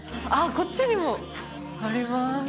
こっちにもあります